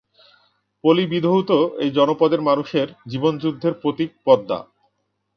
পলি বিধৌত এই জনপদের মানুষের জীবন যুদ্ধের প্রতীক পদ্মা।